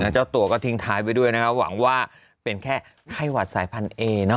เจ้าตัวก็ทิ้งท้ายให้ไปด้วยนะฮะหวังว่าเป็นแค่ไข้หวาดสายพันเอเนอะ